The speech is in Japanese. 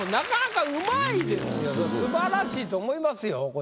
素晴らしいと思いますよこれ。